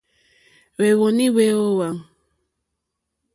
Hwɛ̂wɔ́nì hwé ówàŋ.